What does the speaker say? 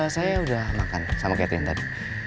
saya udah makan sama catherine tadi